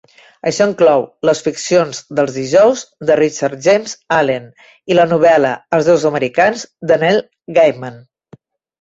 Això inclou "Les Ficcions dels Dijous" de Richard James Allen i la novel·la "Els Déus Americans" de Neil Gaiman.